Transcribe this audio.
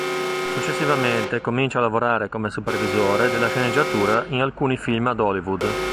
Successivamente comincia a lavorare come supervisore della sceneggiatura in alcuni film ad Hollywood.